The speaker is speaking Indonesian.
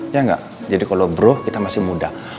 ya gak jadi kalo bro kita masih muda